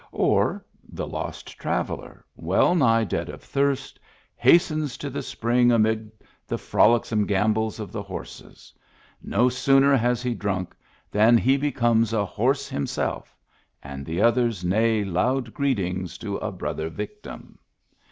Or — the lost traveller, well nigh dead of thirst, hastens to the spring amid the Digitized by Google THE GIFT HORSE 193 frolicsome gambols of the horses. No sooner has he drunk than he becomes a horse himself, and the others neigh loud greetings to a brother victim.